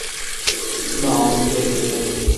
না, আমাকে রেখে যেও না।